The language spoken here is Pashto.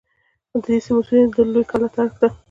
د دې سیمې اوسیدونکي دی لویې کلا ته ارگ